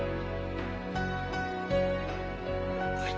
はい。